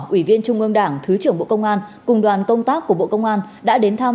ủy viên trung ương đảng thứ trưởng bộ công an cùng đoàn công tác của bộ công an đã đến thăm